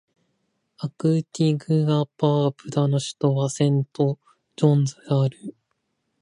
アンティグア・バーブーダの首都はセントジョンズである